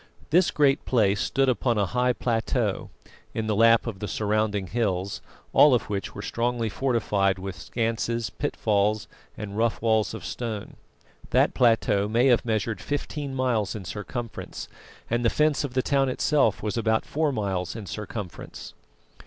This Great Place stood upon a high plateau, in the lap of the surrounding hills, all of which were strongly fortified with schanses, pitfalls, and rough walls of stone. That plateau may have measured fifteen miles in circumference, and the fence of the town itself was about four miles in circumference.